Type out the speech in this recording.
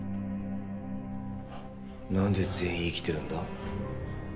何で全員生きてるんだ？